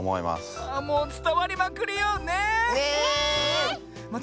もうつたわりまくりよねえ。ね！